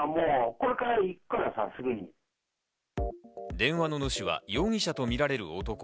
電話の主は容疑者とみられる男。